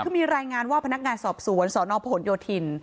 คือมีรายงานว่าพนักงานสอบสวนสนพหนโยธิน